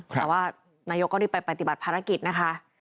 แต่ว่านายกก็รีบไปปฏิบัติภารกิจนะคะ